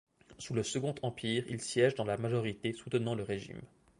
Sous le Second Empire, il siège dans la majorité soutenant le régime.